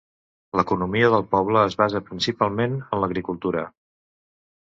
L'economia del poble es basa principalment en l'agricultura.